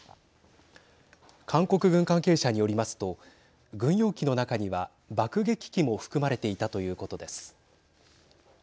韓国軍関係者によりますと軍用機の中には爆撃機も含まれていたということです。